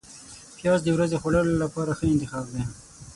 پیاز د ورځې خوړلو لپاره ښه انتخاب دی